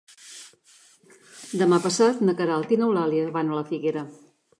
Demà passat na Queralt i n'Eulàlia van a la Figuera.